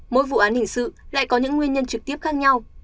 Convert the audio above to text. mỗi vụ án hình sự lại có những nguyên nhân trực tiếp khác nhau